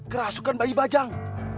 kerasukan bayi bajang